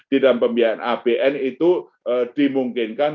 di dalam pembiayaan abn itu dimungkinkan